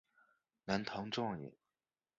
南唐状元。